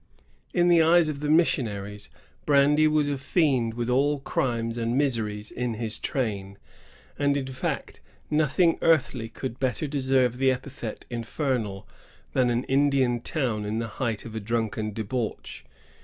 In the eyes of the missionaries, brandy was a fiend with all crimes and miseries in his train; and, in fact, nothing earthly could better deserve the epithet infernal than an Indian town in the height of a drunken debauch.